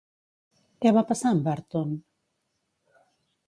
Què va passar amb Burton?